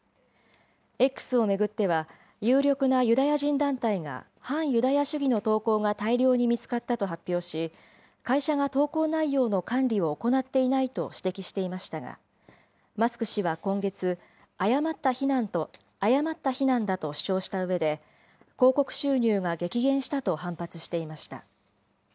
Ｘを巡っては、有力なユダヤ人団体が、反ユダヤ主義の投稿が大量に見つかったと発表し、会社が投稿内容の管理を行っていないと指摘していましたが、マスク氏は今月、誤った非難だと主張したうえで、広告収入が激減したと反発していました。